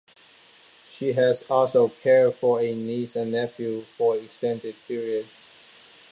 She has also cared for a niece and nephew for an extended period.